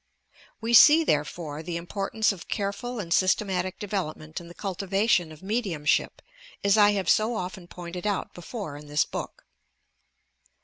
We see, therefore, the importance of careful and systematic development in the cultivation of medium ship, as I have so often pointed out before in this book.